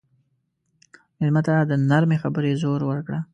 مېلمه ته د نرمې خبرې زور ورکړه.